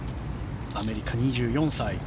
アメリカ、２４歳。